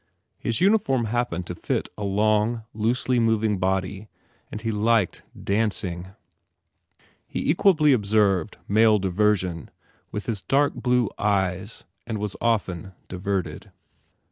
His uniform happened to fit a long, loosely mov ing body and he liked dancing. He equably ob served male diversion with his dark blue eyes and was often diverted.